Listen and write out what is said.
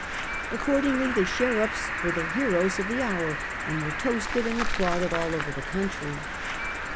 Accordingly the sheriffs were the heroes of the hour, and were toasted and applauded all over the country.